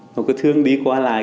nó cứ thường đi qua lại